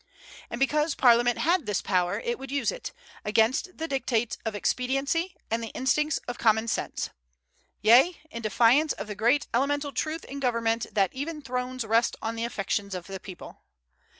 And because Parliament had this power, it would use it, against the dictates of expediency and the instincts of common sense; yea, in defiance of the great elemental truth in government that even thrones rest on the affections of the people.